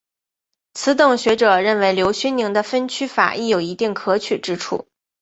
此等学者认为刘勋宁的分区法亦有一定可取之处。